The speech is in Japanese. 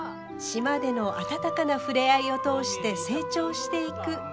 島での温かな触れ合いを通して成長していく舞。